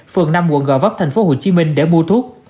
phường năm quận gò vấp tp hcm để mua thuốc